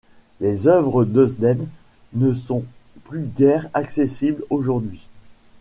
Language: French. Les œuvres d'Eusden ne sont plus guère accessibles, aujourd'hui.